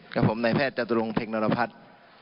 กับผมในแพทย์จตุรงเพ็งนรพัฒน์